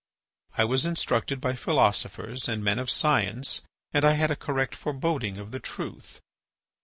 I was instructed by philosophers and men of science and I had a correct foreboding of the truth.